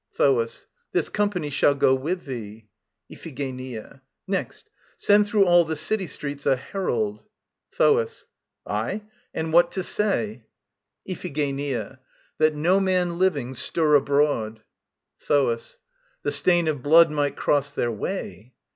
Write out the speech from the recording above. THOAS. This company shall go with thee. IPHIGENIA. Next, send through all the city streets a herald ... THOAS. Aye; and what to say? IPHIGENIA. That no man living stir abroad. THOAS. The stain of blood might cross their way.